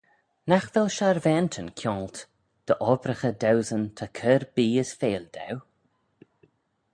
Nagh vel sharvaantyn kianglt dy obbraghey dauesyn ta cur bee as feill daue?